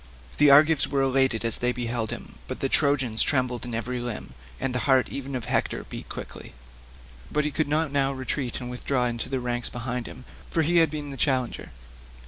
The Argives were elated as they beheld him, but the Trojans trembled in every limb, and the heart even of Hector beat quickly, but he could not now retreat and withdraw into the ranks behind him, for he had been the challenger.